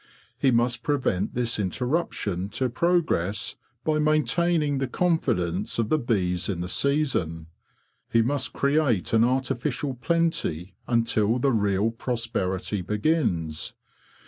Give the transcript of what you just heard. He must prevent this interruption to progress by maintaining the confidence of the bees in the season. He must create an artificial plenty until the real prosperity begins.